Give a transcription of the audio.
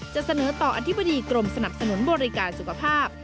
จะเสนอต่ออธิบดีกรมสนับสนุนบริการสุขภาพ